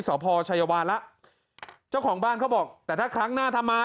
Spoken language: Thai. สพชัยวานแล้วเจ้าของบ้านเขาบอกแต่ถ้าครั้งหน้าถ้ามา